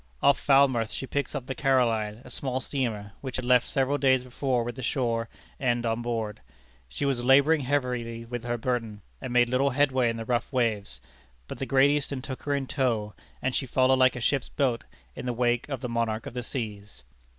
Off Falmouth she picked up the Caroline, a small steamer, which had left several days before with the shore end on board. She was laboring heavily with her burden, and made little headway in the rough waves. But the Great Eastern took her in tow, and she followed like a ship's boat in the wake of the monarch of the seas.